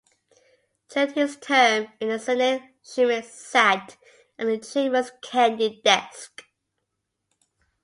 During his term in the Senate, Schmitt sat at the chamber's candy desk.